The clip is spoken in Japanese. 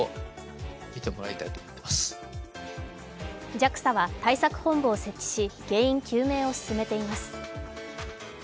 ＪＡＸＡは対策本部を設置し原因究明を進めています。